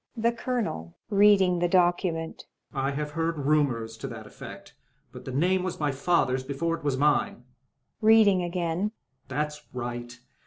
Colonel. [Reeding the document] I have heard rumours to that effect, but the name was my father's before it was mine [Eecding again] That's right